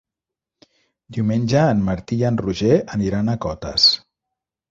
Diumenge en Martí i en Roger aniran a Cotes.